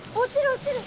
落ちる！